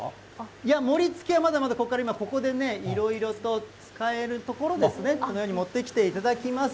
いや、盛りつけは、まだまだ、ここから今、ここでね、いろいろと使える所ですね、このように持ってきていただきます。